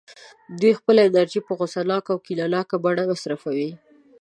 دوی خپله انرژي په غوسه ناکه او کینه ناکه بڼه مصرفوي